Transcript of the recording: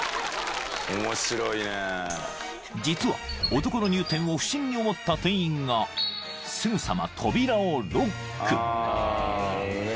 ［実は男の入店を不審に思った店員がすぐさま扉をロック］